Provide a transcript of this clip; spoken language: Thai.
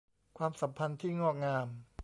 ความสัมพันธ์ที่งอกงาม